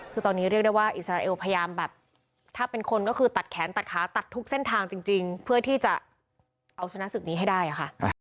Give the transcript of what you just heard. คือตอนนี้เรียกได้ว่าอิสราเอลพยายามแบบถ้าเป็นคนก็คือตัดแขนตัดขาตัดทุกเส้นทางจริงเพื่อที่จะเอาชนะศึกนี้ให้ได้ค่ะ